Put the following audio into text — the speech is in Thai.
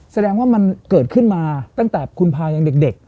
แสดงว่ามันเกิดขึ้นมาตั้งแต่คุณพายังเด็ก